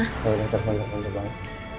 tidak ada yang telepon dokter banget